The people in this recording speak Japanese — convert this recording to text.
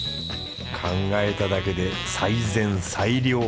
考えただけで最善最良。